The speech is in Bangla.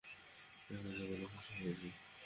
রেখেছো বলে খুশি হয়েছি।